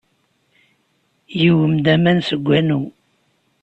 Yugem-d aman seg wanu.